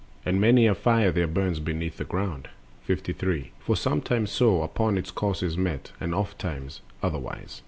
52. And many a fire there burns beneath the ground. Air. 53. For sometimes so upon its course it met, And ofttimes otherwise.